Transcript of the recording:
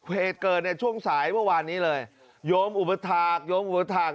เวตเกิดในช่วงสายเมื่อวานนี้เลยโยมอุบัติฐาคโยมอุบัติฐาค